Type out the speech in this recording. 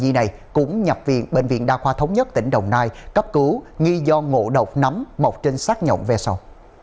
bệnh vi này cũng nhập viện bệnh viện đa khoa thống nhất tỉnh đồng nai cấp cứu nghi do ngộ độc nắm mọc trên sát nhọng ve sầu